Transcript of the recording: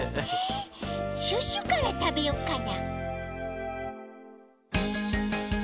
シュッシュからたべよっかな。